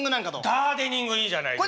ガーデニングいいじゃないですか。